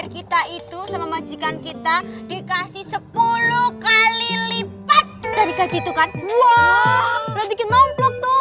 kita itu sama majikan kita dikasih sepuluh kali lipat dari kacitukan wow dikit nongklok tuh